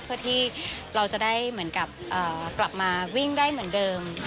เพื่อที่เราจะได้เหมือนกับกลับมาวิ่งได้เหมือนเดิม